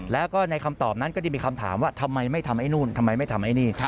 แล้วก็ในคำตอบนั้นก็จะมีคำถามว่าทำไมไม่ทำไอ้นู่นทำไมไม่ทำไอ้นี่